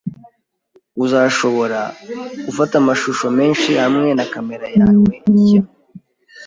Uzashobora gufata amashusho menshi hamwe na kamera yawe nshya.